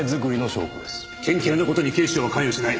県警の事に警視庁は関与しない。